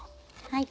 はい。